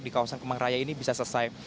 di kawasan kemang raya ini bisa selesai